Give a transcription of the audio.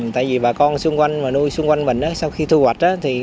tại vì bà con xung quanh và nuôi xung quanh mình sau khi thu hoạch